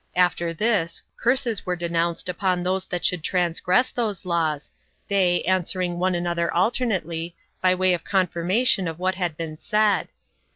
After this, curses were denounced upon those that should transgress those laws, they, answering one another alternately, by way of confirmation of what had been said.